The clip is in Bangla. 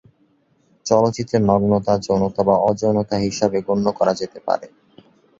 চলচ্চিত্রে নগ্নতা যৌনতা বা অ-যৌনতা হিসাবে গণ্য করা যেতে পারে।